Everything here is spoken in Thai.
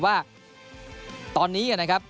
ว่าตอนนี้